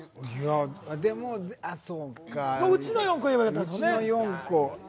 そのうちの４個言えばよかったんですね。